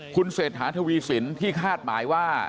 คุณเศรษฐาทวีสินที่คาดหมายว่า